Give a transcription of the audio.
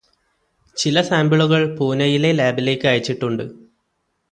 ചില സാമ്പിളുകള് പൂനയിലെ ലാബിലേക്ക് അയച്ചിട്ടുണ്ട്.